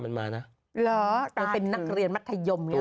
จังจะเป็นนักเรียนมัธยม